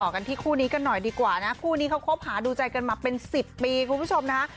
กันที่คู่นี้กันหน่อยดีกว่านะคู่นี้เขาคบหาดูใจกันมาเป็น๑๐ปีคุณผู้ชมนะคะ